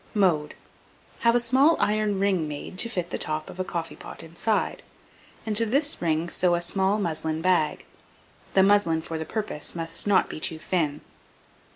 Mode. Have a small iron ring made to fit the top of the coffee pot inside, and to this ring sew a small muslin bag (the muslin for the purpose must not be too thin).